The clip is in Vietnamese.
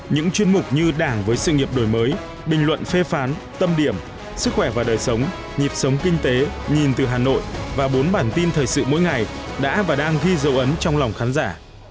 những chuyên mục như đảng với sự nghiệp đổi mới bình luận phê phán tâm điểm sức khỏe và đời sống nhịp sống kinh tế nhìn từ hà nội và bốn bản tin thời sự mỗi ngày đã và đang ghi dấu ấn trong lòng khán giả